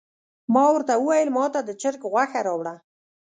ما ورته وویل ماته د چرګ غوښه راوړه.